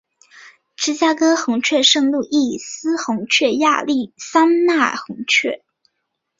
芝加哥红雀圣路易斯红雀亚利桑那红雀